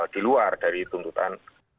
di luar dari tuntutan